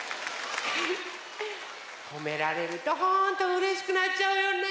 ほめられるとほんとうれしくなっちゃうよね。